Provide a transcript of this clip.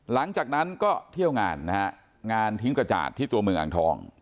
หลังจากนั้นก็เที่ยวงานนะฮะงานทิ้งกระจาดที่ตัวเมืองอ่างทอง